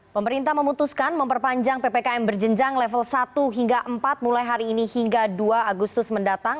pemerintah memutuskan memperpanjang ppkm berjenjang level satu hingga empat mulai hari ini hingga dua agustus mendatang